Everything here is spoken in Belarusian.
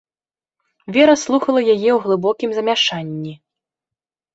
Вера слухала яе ў глыбокім замяшанні.